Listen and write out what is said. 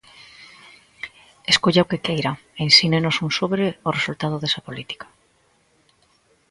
Escolla o que queira e ensínenos un sobre o resultado desa política.